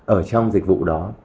ở trong dịch vụ đó